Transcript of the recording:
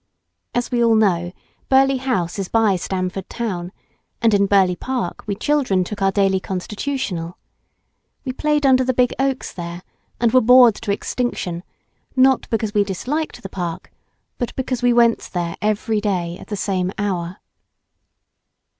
As we all know, Burleigh House is by Stamford Town, and in Burleigh Park we children took our daily constitutional. We played under the big oaks there, and were bored to extinction, not because we disliked the park, but because we went there every day at the same hour.